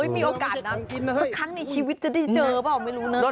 มีโอกาสสักครั้งในชีวิตจะได้เจอเปล่าไม่รู้นะ